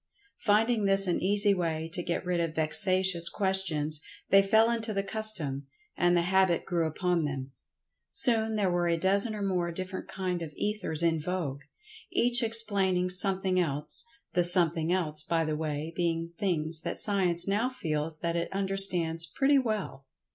Finding this an easy way to get rid of vexatious questions, they fell into the custom—and the habit grew upon them. Soon there were a dozen or more different kind of Ethers in vogue, each explaining something else—the "something else," by the way, being things that Science now feels that it understands pretty well.